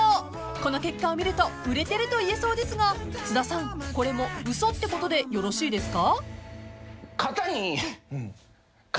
［この結果を見ると売れてると言えそうですが津田さんこれも嘘ってことでよろしいですか？］